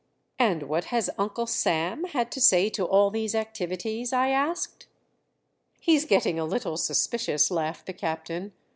"And what has Uncle Sam had to say to all these activities?" I asked. "He's getting a little suspicious," laughed the captain.